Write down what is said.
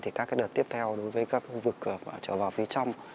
thì các cái đợt tiếp theo đối với các cái khu vực trở vào phía trong